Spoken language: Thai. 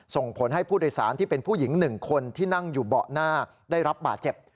ส่งผลให้ผู้โดยสารที่เป็นผู้หญิง๑คนที่นั่งอยู่เบาะหน้าได้รับบาดเจ็บ